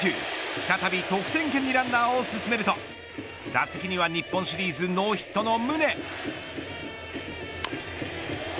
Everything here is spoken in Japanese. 再び得点圏にランナーを進めると打席には日本シリーズノーヒットの宗。